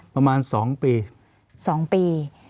ประมาณสองปี